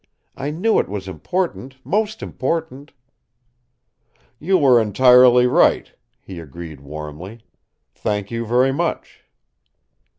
I knew it was important, most important." "You were entirely right," he agreed warmly. "Thank you, very much."